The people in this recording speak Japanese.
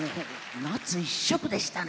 夏一色でしたね。